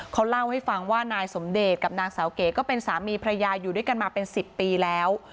เขาเล่าให้ฟังว่านายสมเดชกับนางสาวเก๋ก็เป็นสามีพระยาอยู่ด้วยกันมาเป็น๑๐ปีแล้ว